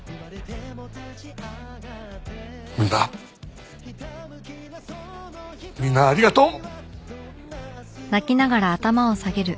みんなみんなありがとう！